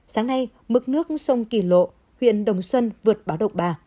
sáng nay mực nước sông kỳ lộ huyện đồng xuân vượt báo động ba